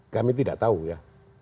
kami tidak tahu ya